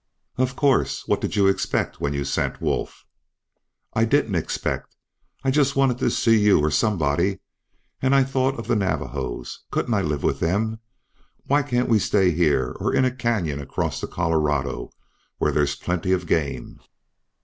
"Of course. What did you expect when you sent Wolf?" "I didn't expect. I just wanted to see you, or somebody, and I thought of the Navajos. Couldn't I live with them? Why can't we stay here or in a canyon across the Colorado where there's plenty of game?"